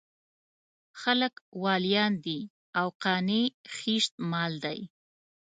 خلک واليان دي او قانع خېشت مال دی.